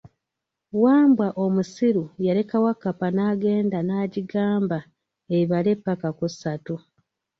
Wambwa omusiru yaleka Wakkapa n'agenda naagyigaamba ebale ppaka ku ssatu.